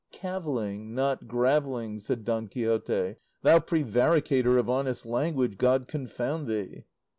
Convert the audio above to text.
"Cavilling, not gravelling," said Don Quixote, "thou prevaricator of honest language, God confound thee!"